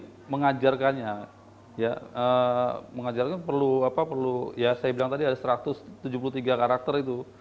jadi mengajarkannya mengajarkan perlu apa perlu ya saya bilang tadi ada satu ratus tujuh puluh tiga karakter itu